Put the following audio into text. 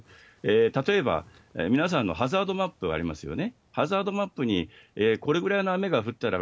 例えば皆さんのハザードマップありますよね。